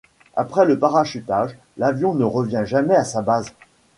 Après le parachutage, l'avion ne revient jamais à sa base.